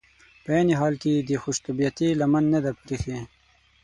په عین حال کې یې د خوش طبعیتي لمن نه ده پرېښي.